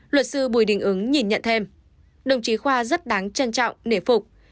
luật sư bùi đình ứng nhìn nhận thêm đồng chí khoa rất đáng trân trọng nể phục